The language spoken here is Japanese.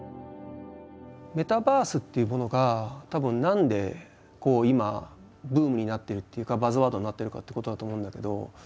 メタバースっていうものがたぶん何で今ブームになってるっていうかバズワードになってるかっていうことだと思うんだけど。